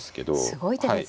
すごい手ですね。